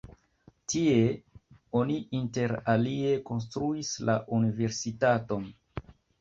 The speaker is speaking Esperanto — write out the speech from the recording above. Tie oni inter alie konstruis la universitaton.